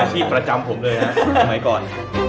๔อาชีพประจำผมเลยฮะเอาไหมก่อน